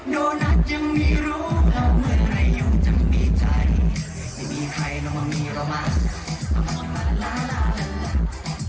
โดนัทยังมีรู้แล้วเมื่อไหร่ยิ้วจะมีใจ